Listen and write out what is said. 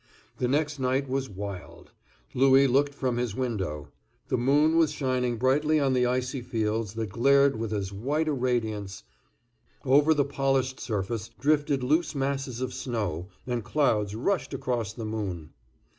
The next night was wild. Louis looked from his window. The moon was shining brightly on the icy fields that glared with as white a radiance; over the polished surface drifted loose masses of snow, and clouds rushed across the moon.